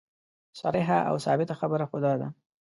صریحه او ثابته خبره خو دا ده.